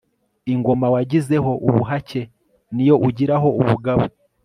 ingoma wagizeho ubuhake niyo ugiraho ubugabo